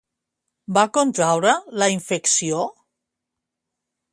Va contraure la infecció?